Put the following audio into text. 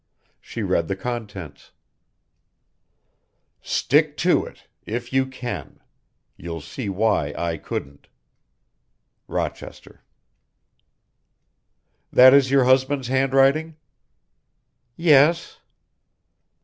She read the contents: "Stick to it if you can. You'll see why I couldn't. "ROCHESTER." "That is your husband's handwriting?" "Yes."